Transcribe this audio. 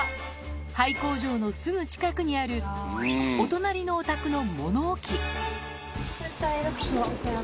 廃工場のすぐ近くにある、お隣のお宅の物置。